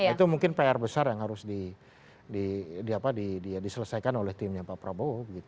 itu mungkin pr besar yang harus diselesaikan oleh timnya pak prabowo